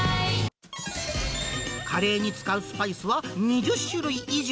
カレーに使うスパイスは２０種類以上。